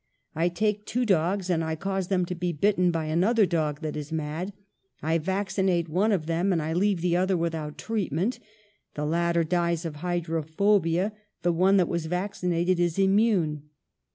I take two dogs, and I cause them to be bitten by an other dog that is mad. I vaccinate one of them, and I leave the other without treatment; the latter dies of hydrophobia; the one that was vaccinated is immune.